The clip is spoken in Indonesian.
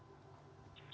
bagaimana begitu maksudnya